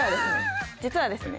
実はですね